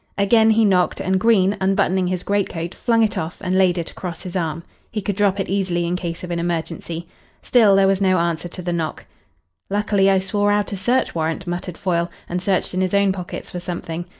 Again he knocked, and Green, unbuttoning his greatcoat, flung it off and laid it across his arm. He could drop it easily in case of an emergency. Still there was no answer to the knock. "Luckily I swore out a search warrant," muttered Foyle, and searched in his own pockets for something.